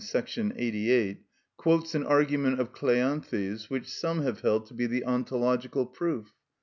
§ 88) quotes an argument of Cleanthes, which some have held to be the ontological proof.